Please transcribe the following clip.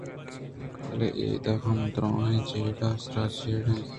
بلئے اِدا ہم دُرٛاہیں جیڑہ سر ءُ چیراَنت